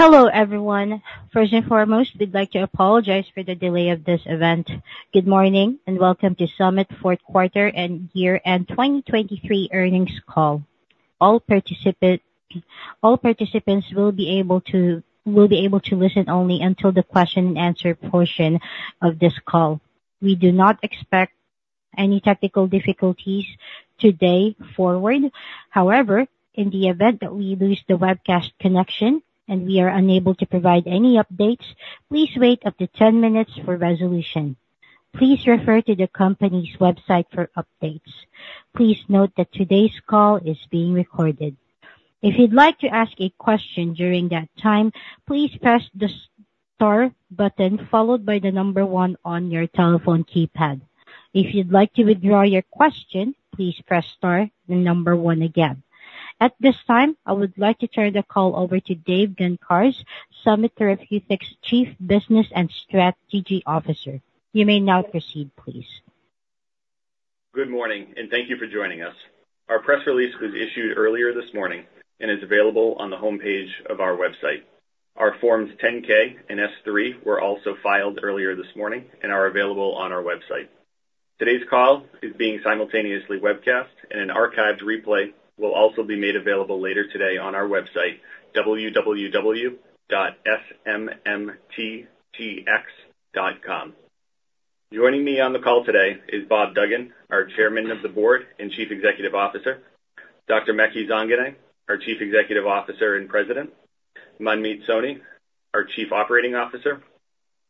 Hello everyone. First and foremost, we'd like to apologize for the delay of this event. Good morning and welcome to Summit Fourth Quarter and Year End 2023 Earnings Call. All participants will be able to listen only until the question-and-answer portion of this call. We do not expect any technical difficulties today forward. However, in the event that we lose the webcast connection and we are unable to provide any updates, please wait up to 10 minutes for resolution. Please refer to the company's website for updates. Please note that today's call is being recorded. If you'd like to ask a question during that time, please press the star button followed by the number one on your telephone keypad. If you'd like to withdraw your question, please press star and number one again. At this time, I would like to turn the call over to Dave Gancarz, Summit Therapeutics Chief Business and Strategy Officer. You may now proceed, please. Good morning and thank you for joining us. Our press release was issued earlier this morning and is available on the homepage of our website. Our Forms 10-K and S-3 were also filed earlier this morning and are available on our website. Today's call is being simultaneously webcast and an archived replay will also be made available later today on our website, www.smmttx.com. Joining me on the call today is Bob Duggan, our Chairman of the Board and Chief Executive Officer, Dr. Maky Zanganeh, our Chief Executive Officer and President, Manmeet Soni, our Chief Operating Officer,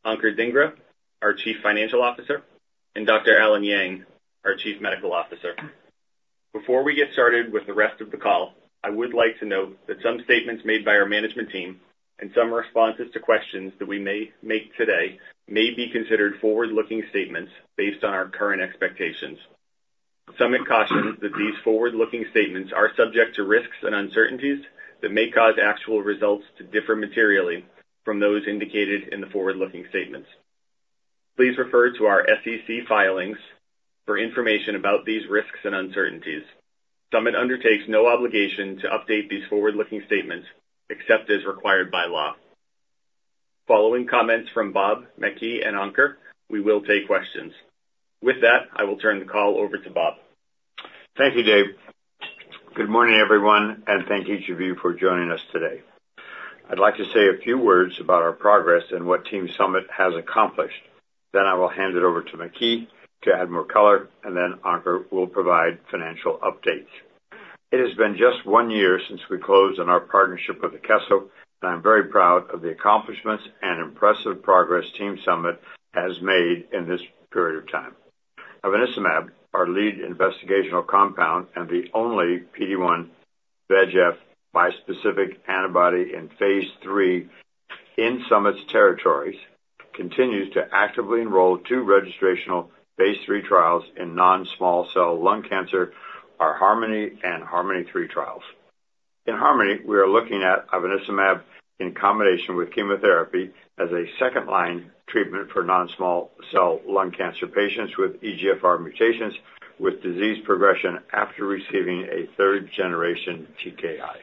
Ankur Dhingra, our Chief Financial Officer, and Dr. Allen Yang, our Chief Medical Officer. Before we get started with the rest of the call, I would like to note that some statements made by our management team and some responses to questions that we may make today may be considered forward-looking statements based on our current expectations. Summit cautions that these forward-looking statements are subject to risks and uncertainties that may cause actual results to differ materially from those indicated in the forward-looking statements. Please refer to our SEC filings for information about these risks and uncertainties. Summit undertakes no obligation to update these forward-looking statements except as required by law. Following comments from Bob, Maky, and Ankur, we will take questions. With that, I will turn the call over to Bob. Thank you, Dave. Good morning everyone, and thank each of you for joining us today. I'd like to say a few words about our progress and what Team Summit has accomplished. Then I will hand it over to Maky to add more color, and then Ankur will provide financial updates. It has been just one year since we closed on our partnership with Akeso, and I'm very proud of the accomplishments and impressive progress Team Summit has made in this period of time. Ivonescimab, our lead investigational compound and the only PD-1 VEGF bispecific antibody in phase III in Summit's territories, continues to actively enroll two registrational phase III trials in non-small cell lung cancer, our HARMONi and HARMONi-3 trials. In HARMONi, we are looking at ivonescimab in combination with chemotherapy as a second-line treatment for non-small cell lung cancer patients with EGFR mutations with disease progression after receiving a third-generation TKI.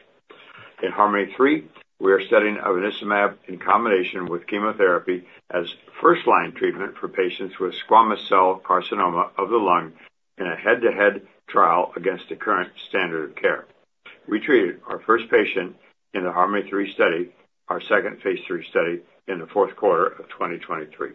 In HARMONi-3, we are studying ivonescimab in combination with chemotherapy as first-line treatment for patients with squamous cell carcinoma of the lung in a head-to-head trial against the current standard of care. We treated our first patient in the HARMONi-3 study, our second phase III study, in the fourth quarter of 2023.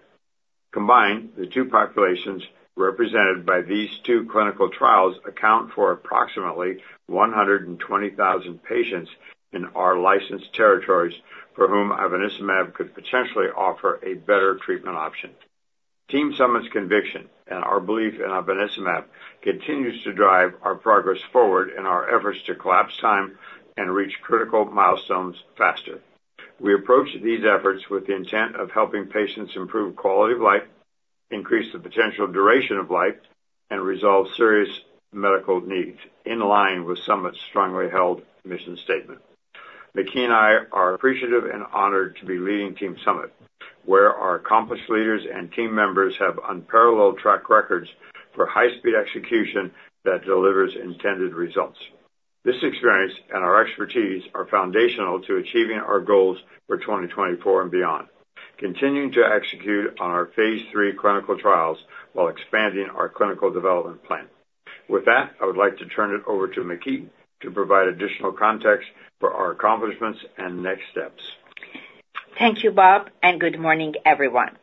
Combined, the two populations represented by these two clinical trials account for approximately 120,000 patients in our licensed territories for whom ivonescimab could potentially offer a better treatment option. Team Summit's conviction and our belief in ivonescimab continues to drive our progress forward in our efforts to collapse time and reach critical milestones faster. We approach these efforts with the intent of helping patients improve quality of life, increase the potential duration of life, and resolve serious medical needs, in line with Summit's strongly held mission statement. Maky and I are appreciative and honored to be leading Team Summit, where our accomplished leaders and team members have unparalleled track records for high-speed execution that delivers intended results. This experience and our expertise are foundational to achieving our goals for 2024 and beyond, continuing to execute on our phase III clinical trials while expanding our clinical development plan. With that, I would like to turn it over to Maky to provide additional context for our accomplishments and next steps. Thank you, Bob, and good morning everyone.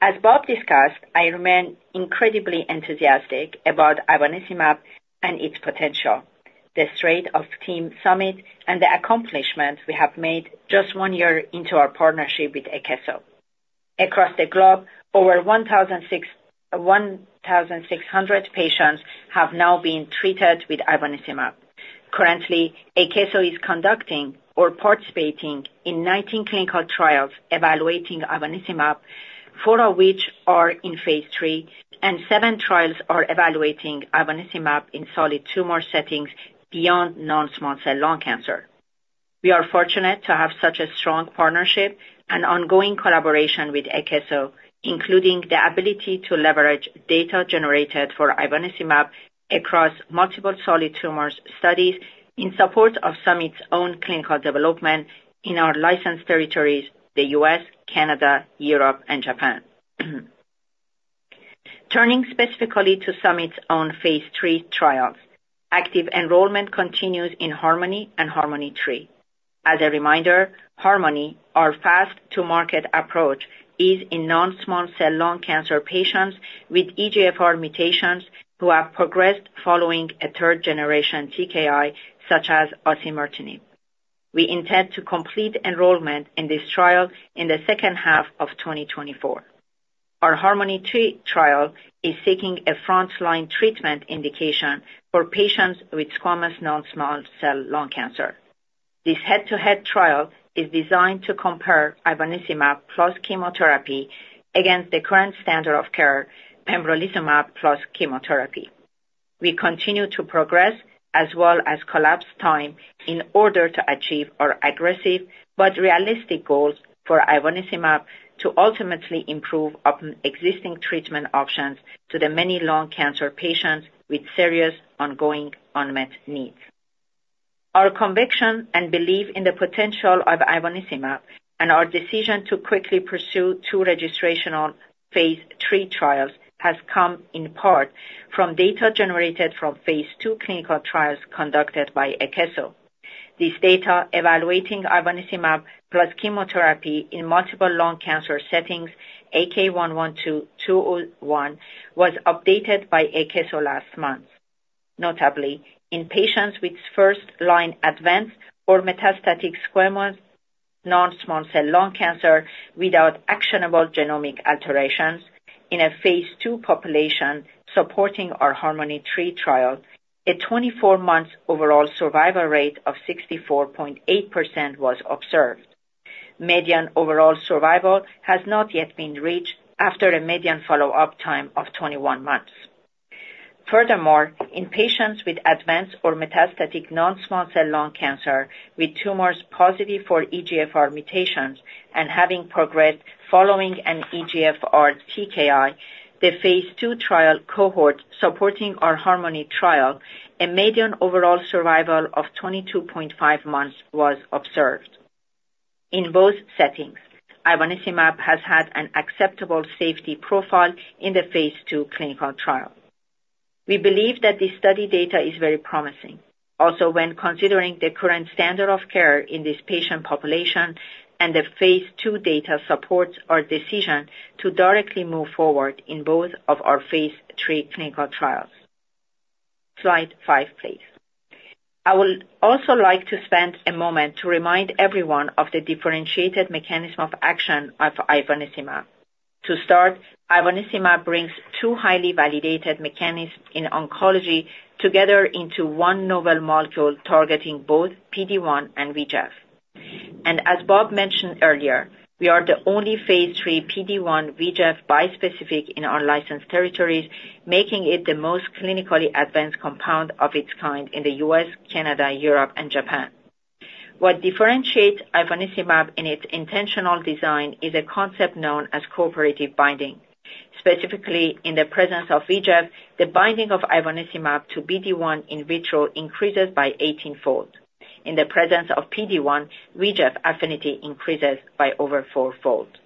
As Bob discussed, I remain incredibly enthusiastic about ivonescimab and its potential, the strength of Team Summit, and the accomplishments we have made just one year into our partnership with Akeso. Across the globe, over 1,600 patients have now been treated with ivonescimab. Currently, Akeso is conducting or participating in 19 clinical trials evaluating ivonescimab, four of which are in phase III, and seven trials are evaluating ivonescimab in solid tumor settings beyond non-small cell lung cancer. We are fortunate to have such a strong partnership and ongoing collaboration with Akeso, including the ability to leverage data generated for ivonescimab across multiple solid tumors studies in support of Summit's own clinical development in our licensed territories, the U.S., Canada, Europe, and Japan. Turning specifically to Summit's own phase III trials, active enrollment continues in HARMONi and HARMONi-3. As a reminder, HARMONi, our fast-to-market approach, is in non-small cell lung cancer patients with EGFR mutations who have progressed following a third-generation TKI such as osimertinib. We intend to complete enrollment in this trial in the second half of 2024. Our HARMONi-3 trial is seeking a front-line treatment indication for patients with squamous non-small cell lung cancer. This head-to-head trial is designed to compare ivonescimab plus chemotherapy against the current standard of care, pembrolizumab plus chemotherapy. We continue to progress as well as collapse time in order to achieve our aggressive but realistic goals for ivonescimab to ultimately improve existing treatment options to the many lung cancer patients with serious ongoing unmet needs. Our conviction and belief in the potential of ivonescimab and our decision to quickly pursue two registrational phase III trials has come in part from data generated from phase II clinical trials conducted by Akeso. This data evaluating ivonescimab plus chemotherapy in multiple lung cancer settings, AK112-201, was updated by Akeso last month. Notably, in patients with first-line advanced or metastatic squamous non-small cell lung cancer without actionable genomic alterations in a phase II population supporting our HARMONi-3 trial, a 24-month overall survival rate of 64.8% was observed. Median overall survival has not yet been reached after a median follow-up time of 21 months. Furthermore, in patients with advanced or metastatic non-small cell lung cancer with tumors positive for EGFR mutations and having progressed following an EGFR TKI, the phase II trial cohort supporting our HARMONi trial, a median overall survival of 22.5 months was observed. In both settings, ivonescimab has had an acceptable safety profile in the phase II clinical trial. We believe that this study data is very promising, also when considering the current standard of care in this patient population and the phase II data supports our decision to directly move forward in both of our phase III clinical trials. Slide 5, please. I would also like to spend a moment to remind everyone of the differentiated mechanism of action of ivonescimab. To start, ivonescimab brings two highly validated mechanisms in oncology together into one novel molecule targeting both PD-1 and VEGF. And as Bob mentioned earlier, we are the only phase III PD-1 VEGF bispecific in our licensed territories, making it the most clinically advanced compound of its kind in the U.S., Canada, Europe, and Japan. What differentiates ivonescimab in its intentional design is a concept known as cooperative binding. Specifically, in the presence of VEGF, the binding of ivonescimab to PD-1 in vitro increases by 18-fold. In the presence of PD-1, VEGF affinity increases by over four-fold.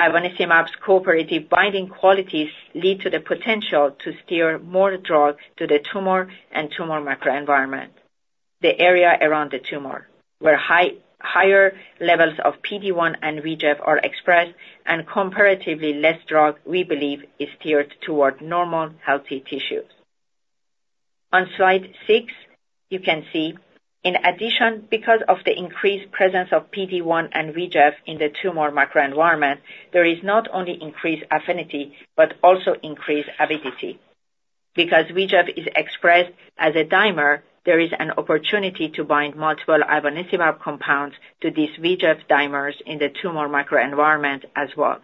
Ivonescimab's cooperative binding qualities lead to the potential to steer more drug to the tumor and tumor microenvironment, the area around the tumor, where higher levels of PD-1 and VEGF are expressed and comparatively less drug, we believe, is steered toward normal healthy tissues. On slide 6, you can see, in addition, because of the increased presence of PD-1 and VEGF in the tumor microenvironment, there is not only increased affinity but also increased avidity. Because VEGF is expressed as a dimer, there is an opportunity to bind multiple ivonescimab compounds to these VEGF dimers in the tumor microenvironment as well.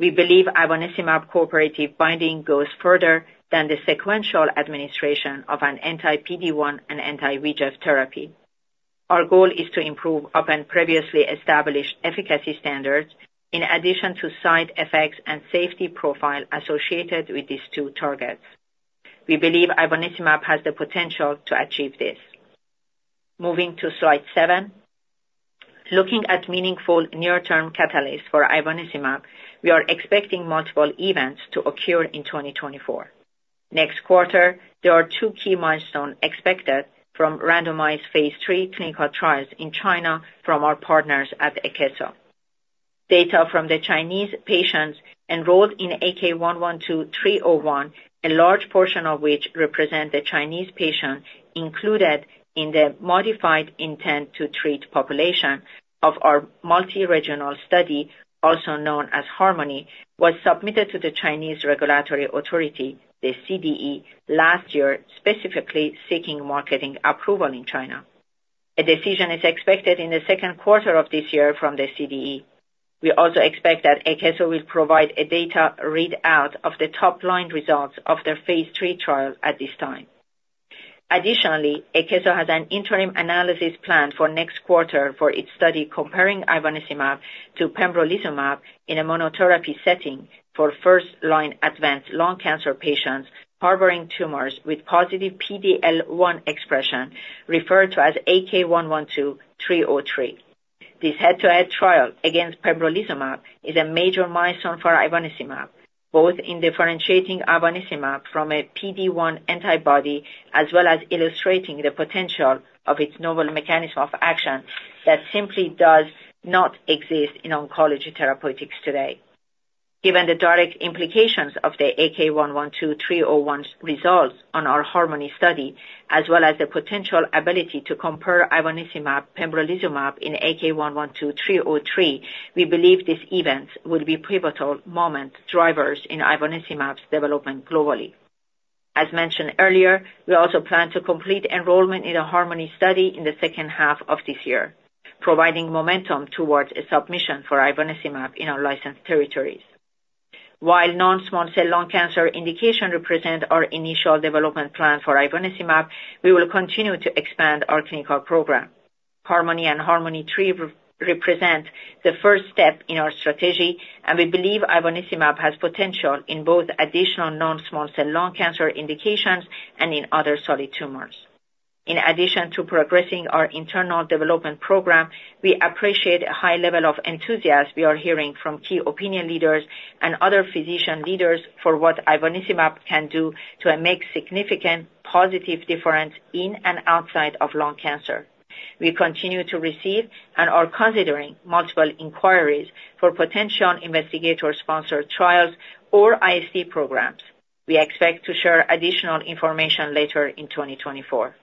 We believe ivonescimab cooperative binding goes further than the sequential administration of an anti-PD-1 and anti-VEGF therapy. Our goal is to improve upon previously established efficacy standards in addition to side effects and safety profile associated with these two targets. We believe ivonescimab has the potential to achieve this. Moving to slide 7, looking at meaningful near-term catalysts for ivonescimab, we are expecting multiple events to occur in 2024. Next quarter, there are two key milestones expected from randomized phase III clinical trials in China from our partners at Akeso. Data from the Chinese patients enrolled in AK112-301, a large portion of which represent the Chinese patient included in the modified intent-to-treat population of our multi-regional study, also known as HARMONi, was submitted to the Chinese Regulatory Authority, the CDE, last year, specifically seeking marketing approval in China. A decision is expected in the second quarter of this year from the CDE. We also expect that Akeso will provide a data readout of the top-line results of their phase III trial at this time. Additionally, Akeso has an interim analysis planned for next quarter for its study comparing ivonescimab to pembrolizumab in a monotherapy setting for first-line advanced lung cancer patients harboring tumors with positive PD-L1 expression referred to as AK112-303. This head-to-head trial against pembrolizumab is a major milestone for ivonescimab, both in differentiating ivonescimab from a PD-1 antibody as well as illustrating the potential of its novel mechanism of action that simply does not exist in oncology therapeutics today. Given the direct implications of the AK112-301 results on our HARMONi study as well as the potential ability to compare ivonescimab-pembrolizumab in AK112-303, we believe these events would be pivotal moment drivers in ivonescimab's development globally. As mentioned earlier, we also plan to complete enrollment in a HARMONi study in the second half of this year, providing momentum towards a submission for ivonescimab in our licensed territories. While non-small cell lung cancer indication represents our initial development plan for ivonescimab, we will continue to expand our clinical program. HARMONi and HARMONi-3 represent the first step in our strategy, and we believe ivonescimab has potential in both additional non-small cell lung cancer indications and in other solid tumors. In addition to progressing our internal development program, we appreciate a high level of enthusiasm we are hearing from key opinion leaders and other physician leaders for what ivonescimab can do to make a significant positive difference in and outside of lung cancer. We continue to receive and are considering multiple inquiries for potential investigator-sponsored trials or IST programs. We expect to share additional information later in 2024.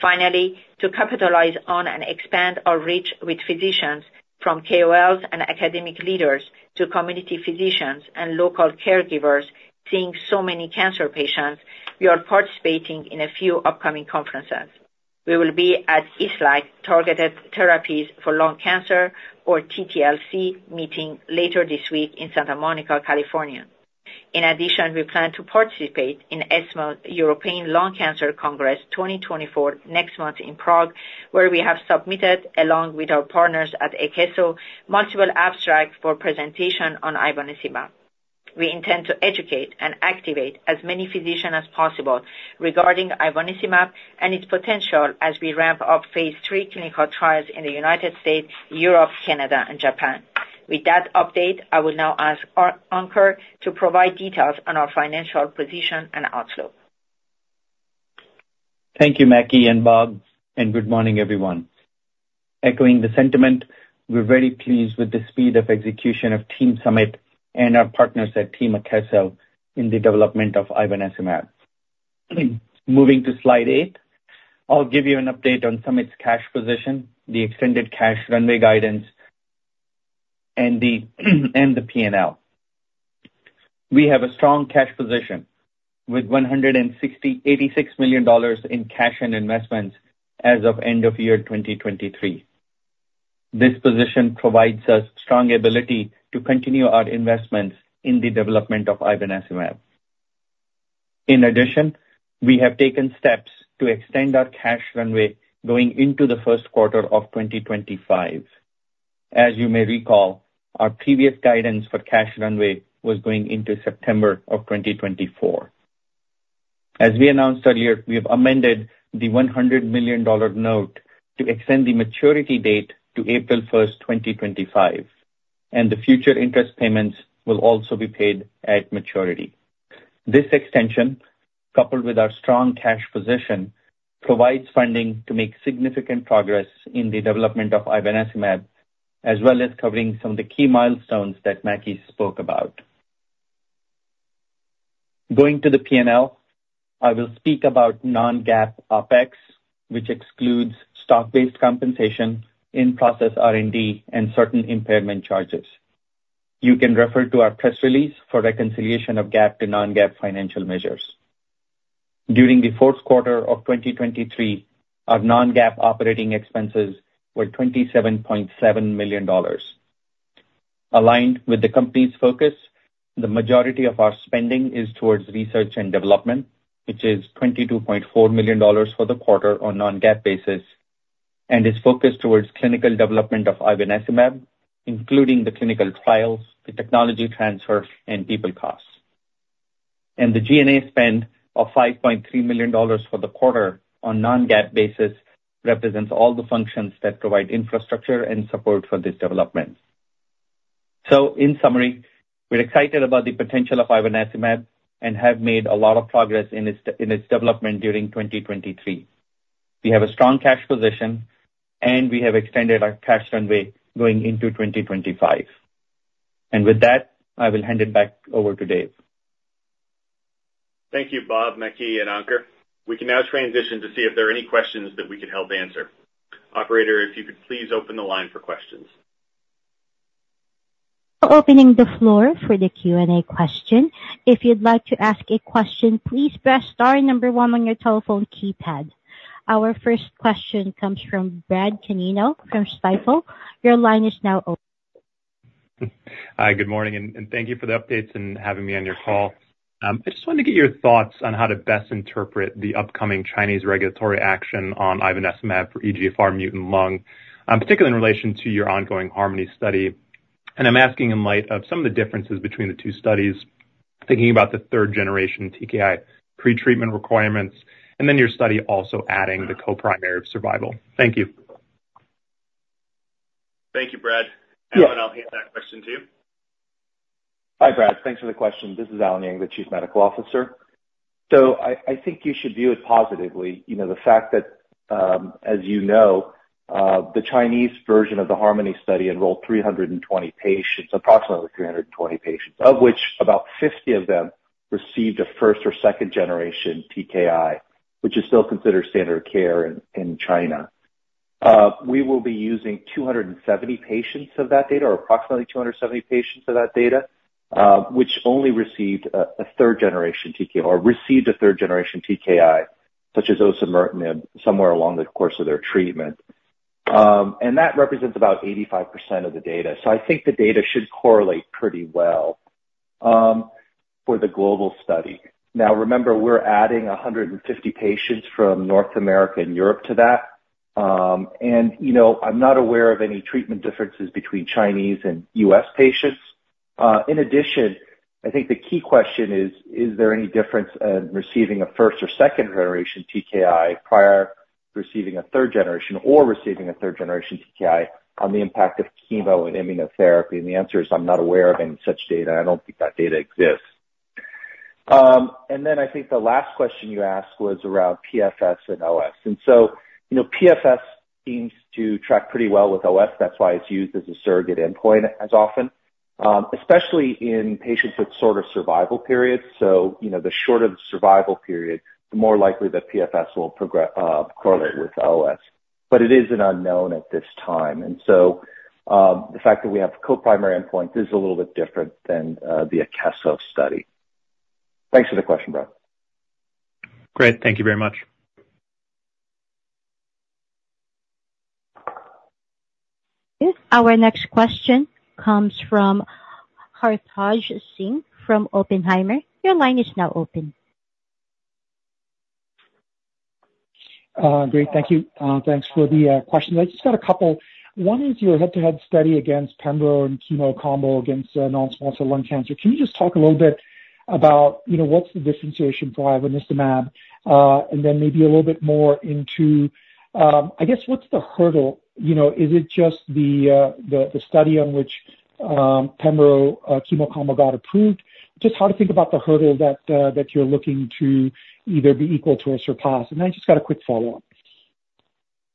Finally, to capitalize on and expand our reach with physicians from KOLs and academic leaders to community physicians and local caregivers seeing so many cancer patients, we are participating in a few upcoming conferences. We will be at IASLC, Targeted Therapies for Lung Cancer, or TTLC meeting later this week in Santa Monica, California. In addition, we plan to participate in ESMO, European Lung Cancer Congress 2024, next month in Prague, where we have submitted, along with our partners at Akeso, multiple abstracts for presentation on ivonescimab. We intend to educate and activate as many physicians as possible regarding ivonescimab and its potential as we ramp up phase III clinical trials in the United States, Europe, Canada, and Japan. With that update, I will now ask Ankur to provide details on our financial position and outlook. Thank you, Maky and Bob, and good morning everyone. Echoing the sentiment, we're very pleased with the speed of execution of Team Summit and our partners at Team Akeso in the development of ivonescimab. Moving to slide 8, I'll give you an update on Summit's cash position, the extended cash runway guidance, and the P&L. We have a strong cash position with $186 million in cash and investments as of end of year 2023. This position provides us strong ability to continue our investments in the development of ivonescimab. In addition, we have taken steps to extend our cash runway going into the first quarter of 2025. As you may recall, our previous guidance for cash runway was going into September of 2024. As we announced earlier, we have amended the $100 million note to extend the maturity date to April 1st, 2025, and the future interest payments will also be paid at maturity. This extension, coupled with our strong cash position, provides funding to make significant progress in the development of ivonescimab as well as covering some of the key milestones that Maky spoke about. Going to the P&L, I will speak about non-GAAP OPEX, which excludes stock-based compensation, in-process R&D, and certain impairment charges. You can refer to our press release for reconciliation of GAAP to non-GAAP financial measures. During the fourth quarter of 2023, our non-GAAP operating expenses were $27.7 million. Aligned with the company's focus, the majority of our spending is towards research and development, which is $22.4 million for the quarter on non-GAAP basis, and is focused towards clinical development of ivonescimab, including the clinical trials, the technology transfer, and people costs. The G&A spend of $5.3 million for the quarter on non-GAAP basis represents all the functions that provide infrastructure and support for this development. So in summary, we're excited about the potential of ivonescimab and have made a lot of progress in its development during 2023. We have a strong cash position, and we have extended our cash runway going into 2025. With that, I will hand it back over to Dave. Thank you, Bob, Maky, and Ankur. We can now transition to see if there are any questions that we could help answer. Operator, if you could please open the line for questions. Opening the floor for the Q&A question. If you'd like to ask a question, please press star number one on your telephone keypad. Our first question comes from Brad Canino from Stifel. Your line is now open. Hi, good morning, and thank you for the updates and having me on your call. I just wanted to get your thoughts on how to best interpret the upcoming Chinese regulatory action on ivonescimab for EGFR mutant lung, particularly in relation to your ongoing HARMONi study. I'm asking in light of some of the differences between the two studies, thinking about the third-generation TKI pretreatment requirements, and then your study also adding the coprimary of survival. Thank you. Thank you, Brad. Allen, I'll hand that question to you. Hi, Brad. Thanks for the question. This is Allen Yang, the Chief Medical Officer. So I think you should view it positively, the fact that, as you know, the Chinese version of the HARMONi study enrolled 320 patients, approximately 320 patients, of which about 50 of them received a first- or second-generation TKI, which is still considered standard of care in China. We will be using 270 patients of that data, or approximately 270 patients of that data, which only received a third-generation TKI, or received a third-generation TKI, such as osimertinib, somewhere along the course of their treatment. And that represents about 85% of the data. So I think the data should correlate pretty well for the global study. Now, remember, we're adding 150 patients from North America and Europe to that. And I'm not aware of any treatment differences between Chinese and US patients. In addition, I think the key question is, is there any difference in receiving a first- or second-generation TKI prior to receiving a third-generation, or receiving a third-generation TKI, on the impact of chemo and immunotherapy? And the answer is, I'm not aware of any such data. I don't think that data exists. And then I think the last question you asked was around PFS and OS. And so PFS seems to track pretty well with OS. That's why it's used as a surrogate endpoint as often, especially in patients with shorter survival periods. So the shorter the survival period, the more likely that PFS will correlate with OS. But it is an unknown at this time. And so the fact that we have coprimary endpoints is a little bit different than the Akeso study. Thanks for the question, Brad. Great. Thank you very much. Our next question comes from Hartaj Singh from Oppenheimer. Your line is now open. Great. Thank you. Thanks for the questions. I just got a couple. One is your head-to-head study against pembro and chemo combo against non-squamous lung cancer. Can you just talk a little bit about what's the differentiation for ivonescimab, and then maybe a little bit more into, I guess, what's the hurdle? Is it just the study on which pembro, chemo combo got approved? Just how to think about the hurdle that you're looking to either be equal to or surpass. And then I just got a quick follow-up.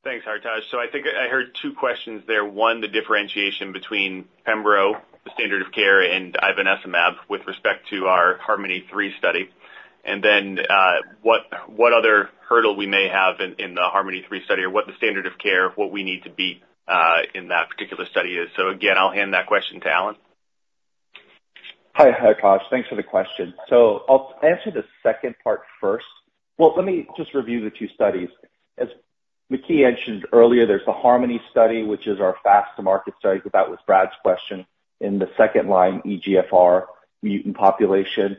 Thanks, Hartaj. So I think I heard two questions there. One, the differentiation between pembro, the standard of care, and ivonescimab with respect to our HARMONi-3 study. And then what other hurdle we may have in the HARMONi-3 study, or what the standard of care of what we need to beat in that particular study is. So again, I'll hand that question to Allen. Hi, Hartaj. Thanks for the question. So I'll answer the second part first. Well, let me just review the two studies. As Maky mentioned earlier, there's the HARMONi study, which is our fast-to-market study because that was Brad's question, in the second-line, EGFR mutant population.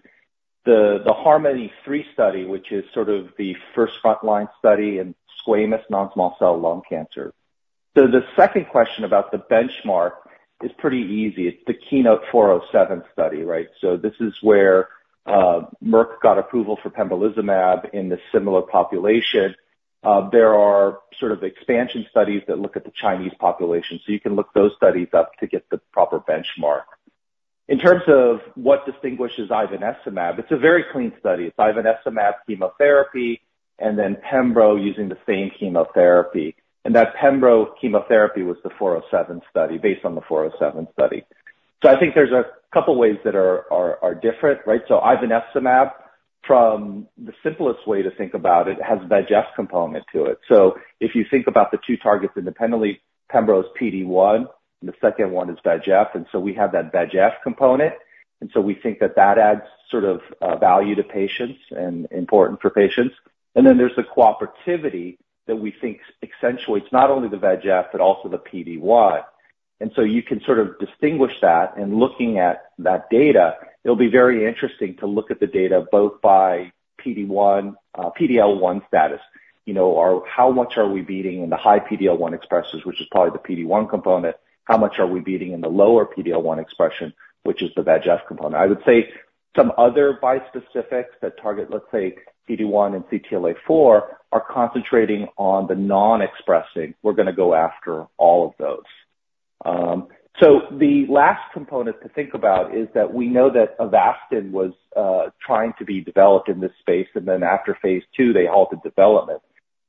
The HARMONi-3 study, which is sort of the first-front-line study in squamous, non-small cell lung cancer. So the second question about the benchmark is pretty easy. It's the KEYNOTE-407 study, right? So this is where Merck got approval for pembrolizumab in the similar population. There are sort of expansion studies that look at the Chinese population. So you can look those studies up to get the proper benchmark. In terms of what distinguishes ivonescimab, it's a very clean study. It's ivonescimab chemotherapy and then pembro using the same chemotherapy. And that pembro chemotherapy was the 407 study, based on the 407 study. So I think there's a couple of ways that are different, right? So ivonescimab, from the simplest way to think about it, has a VEGF component to it. So if you think about the two targets independently, pembro is PD-1, and the second one is VEGF. And so we have that VEGF component. And so we think that that adds sort of value to patients and is important for patients. And then there's the cooperativity that we think accentuates not only the VEGF but also the PD-1. And so you can sort of distinguish that. And looking at that data, it'll be very interesting to look at the data both by PD-L1 status, or how much are we beating in the high PD-L1 expressors, which is probably the PD-1 component? How much are we beating in the lower PD-L1 expression, which is the VEGF component? I would say some other bispecifics that target, let's say, PD-1 and CTLA4 are concentrating on the non-expressing. We're going to go after all of those. So the last component to think about is that we know that Avastin was trying to be developed in this space. And then after phase II, they halted development.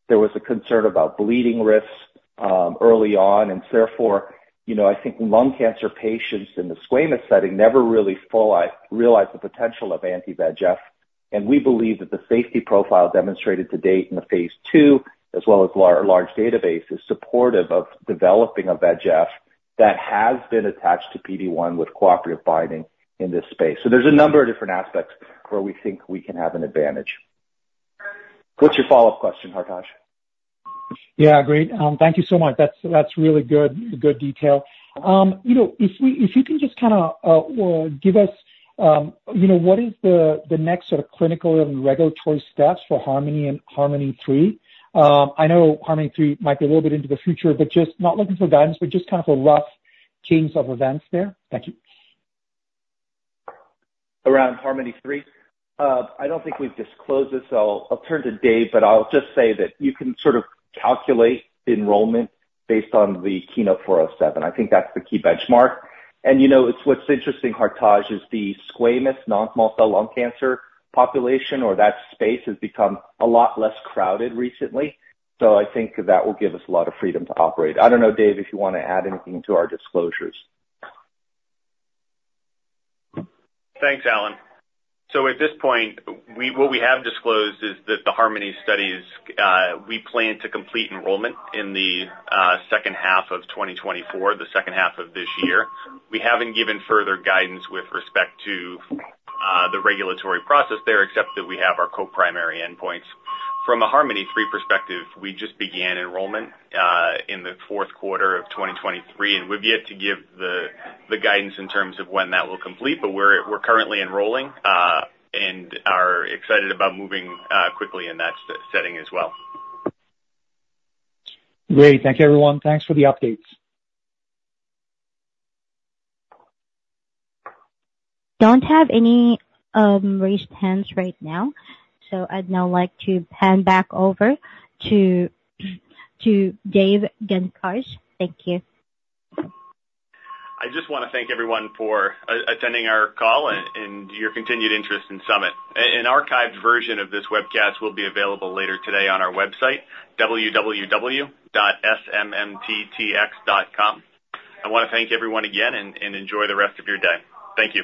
There was a concern about bleeding risks early on. And therefore, I think lung cancer patients in the squamous setting never really realized the potential of anti-VEGF. And we believe that the safety profile demonstrated to date in the phase II, as well as our large database, is supportive of developing a VEGF that has been attached to PD-1 with cooperative binding in this space. So there's a number of different aspects where we think we can have an advantage. What's your follow-up question, Hartaj? Yeah, great. Thank you so much. That's really good detail. If you can just kind of give us what is the next sort of clinical and regulatory steps for HARMONi and HARMONi-3? I know HARMONi-3 might be a little bit into the future, but just not looking for guidance, but just kind of a rough change of events there. Thank you. Around HARMONi-3, I don't think we've disclosed this. I'll turn to Dave, but I'll just say that you can sort of calculate enrollment based on the KEYNOTE-407. I think that's the key benchmark. What's interesting, Hartaj, is the squamous non-small cell lung cancer population, or that space, has become a lot less crowded recently. So I think that will give us a lot of freedom to operate. I don't know, Dave, if you want to add anything to our disclosures. Thanks, Allen. So at this point, what we have disclosed is that the HARMONi studies, we plan to complete enrollment in the second half of 2024, the second half of this year. We haven't given further guidance with respect to the regulatory process there, except that we have our co-primary endpoints. From a HARMONi-3 perspective, we just began enrollment in the fourth quarter of 2023. We've yet to give the guidance in terms of when that will complete. But we're currently enrolling and are excited about moving quickly in that setting as well. Great. Thank you, everyone. Thanks for the updates. Don't have any raised hands right now. So I'd now like to hand back over to Dave Gancarz. Thank you. I just want to thank everyone for attending our call and your continued interest in Summit. An archived version of this webcast will be available later today on our website, www.smmttx.com. I want to thank everyone again and enjoy the rest of your day. Thank you.